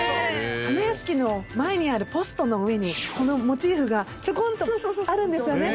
花やしきの前にあるポストの上にこのモチーフがちょこんとあるんですよね。